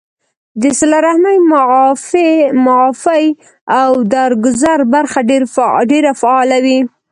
د صله رحمۍ ، معافۍ او درګذر برخه ډېره فعاله وي